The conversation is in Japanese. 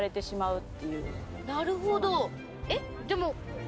なるほど。